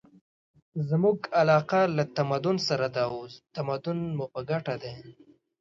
زموږ علاقه له تمدن سره ده او تمدن مو په ګټه دی.